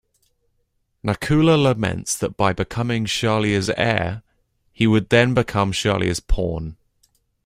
Nakula laments that by becoming Shalya's heir, he would then become Shalya's pawn.